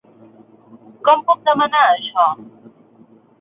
Com puc demanar això?